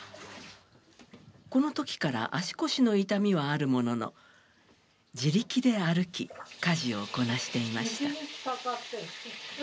この時から足腰の痛みはあるものの自力で歩き家事をこなしていました。